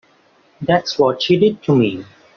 That's what she did to me.